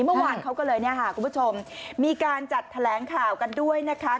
เมื่อวานเขาก็เลยเนี่ยค่ะคุณผู้ชมมีการจัดแถลงข่าวกันด้วยนะคะ